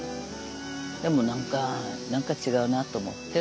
でも何か何か違うなと思って。